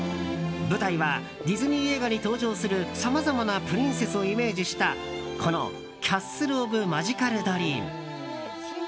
舞台はディズニー映画に登場するさまざまなプリンセスをイメージしたこのキャッスル・オブ・マジカル・ドリーム。